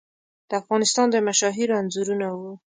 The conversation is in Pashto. د افغانستان د مشاهیرو انځورونه وو.